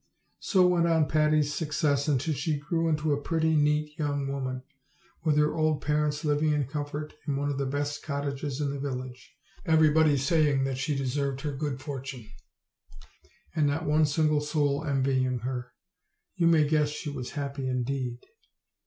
So went on Patty's success until she grew into a pretty, neat young woman; with her old parents living in comfort in one of the best cottages in the village; everybody saying that she deserved her good fortune, and not one single soul envying her: you may guess she was happy indeed.